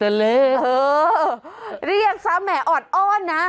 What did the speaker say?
เออเรียกซ้ำแหมออดอ้อนนะ